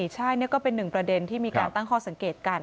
ใช่นี่ก็เป็นหนึ่งประเด็นที่มีการตั้งข้อสังเกตกัน